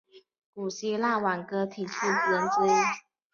古希腊挽歌体诗人之一。